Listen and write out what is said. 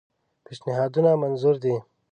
پېشنهادونه منظور دي.